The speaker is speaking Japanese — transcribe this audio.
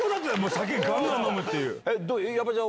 酒ガンガン飲むっていう。